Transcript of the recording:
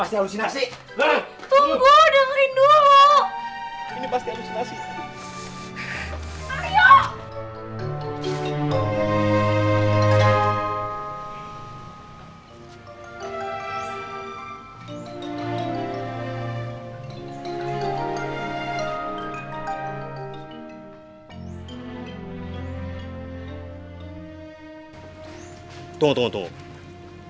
tunggu tunggu tunggu